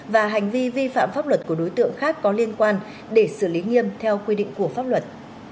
và hành vi vi phạm pháp luật của đối tượng khác có liên quan để xử lý nghiêm theo quy định của pháp luật